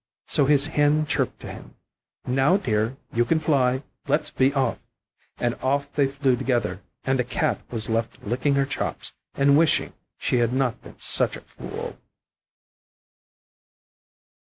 So his Hen chirped to him, "Now, dear, you can fly, let's be off." And off they flew together, and the Cat was left licking her chops and wishing she had not been such a fool.